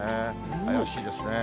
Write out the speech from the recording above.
怪しいですね。